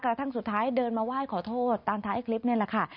กระทั่งสุดท้ายเดินมาไหว้ขอโทษตามท้ายคลิปนี่แหละค่ะ